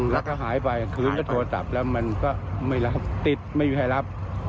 แล้วก็หายไปคืนก็โทรศัพท์แล้วมันก็ไม่รับติดไม่มีใครรับ